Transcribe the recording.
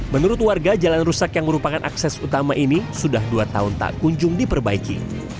menurut warga jalan rusak yang merupakan akses utama ini sudah dua tahun tak kunjung diperbaiki